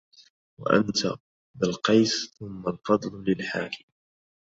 وأنت بلقيس ثم الفضلُ للحاكي